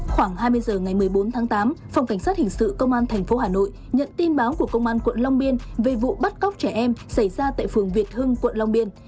khoảng hai mươi h ngày một mươi bốn tháng tám phòng cảnh sát hình sự công an tp hà nội nhận tin báo của công an quận long biên về vụ bắt cóc trẻ em xảy ra tại phường việt hưng quận long biên